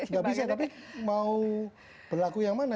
nggak bisa tapi mau berlaku yang mana